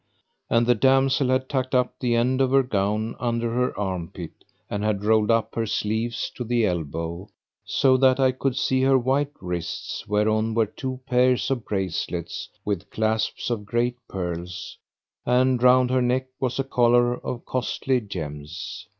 And the damsel had tucked up the end of her gown under her arm pit and had rolled up her sleeves to the elbow, so that I could see her white wrists whereon were two pairs of bracelets with clasps of great pearls; and round her neck was a collar of costly gems.